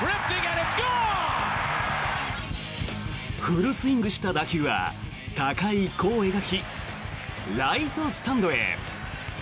フルスイングした打球は高い弧を描きライトスタンドへ。